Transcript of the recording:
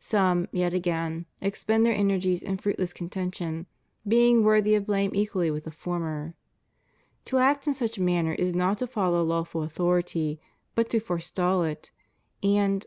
Some, yet again, expend their energies in fruitless con tention, being worthy of blame equally with the former. To act in such manner is not to follow lawful authority but to forestall it, and.